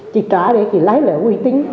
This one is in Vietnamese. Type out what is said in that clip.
chị trả để chị lấy lại uy tín